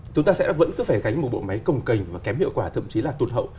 chúng ta sẽ vẫn cứ phải gánh một bộ máy cồng cành và kém hiệu quả thậm chí là tụt hậu